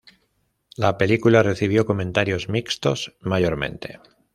La película recibió comentarios mixtos mayormente.